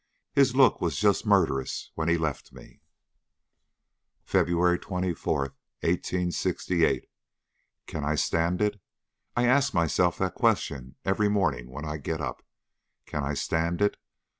His look was just murderous when he left me." "FEBRUARY 24, 1868. Can I stand it? I ask myself that question every morning when I get up. Can I stand it?